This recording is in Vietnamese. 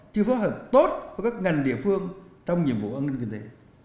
chưa phối hợp tốt với các ngành địa phương trong nhiệm vụ an ninh kinh tế